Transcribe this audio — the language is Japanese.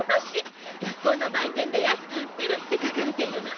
学校の売店で安く売ってるって書かれているの。